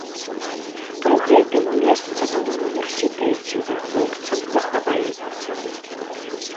Пры гэтым месца ва ўніверсітэце за хлопцам захаваецца.